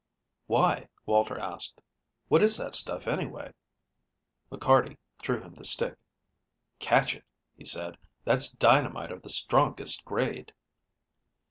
"Why?" Walter asked. "What is that stuff, anyway?" McCarty threw him the stick. "Catch it," he said; "that's dynamite of the strongest grade."